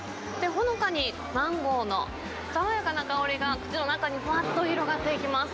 ほのかにマンゴーの爽やかな香りが口の中にふわっと広がっていきます。